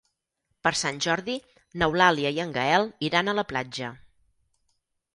Per Sant Jordi n'Eulàlia i en Gaël iran a la platja.